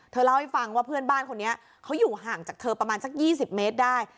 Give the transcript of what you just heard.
เล่าให้ฟังว่าเพื่อนบ้านคนนี้เขาอยู่ห่างจากเธอประมาณสัก๒๐เมตรได้